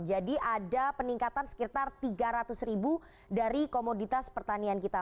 jadi ada peningkatan sekitar tiga ratus ribu dari komoditas pertanian kita